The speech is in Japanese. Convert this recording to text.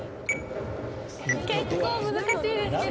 結構難しいですけど。